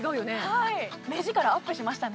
はい・目力アップしましたね・